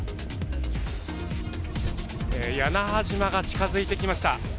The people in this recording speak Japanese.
屋那覇島が近づいてきました。